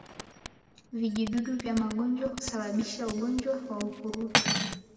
Vijidudu vya magonjwa husababisha ugonjwa wa ukurutu